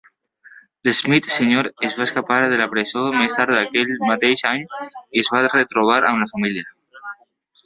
L'Smith sènior es va escapar de la presó més tard aquell mateix any i es va retrobar amb la família.